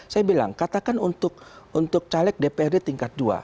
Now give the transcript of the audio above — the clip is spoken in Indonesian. saya bilang katakan untuk caleg dprd tingkat dua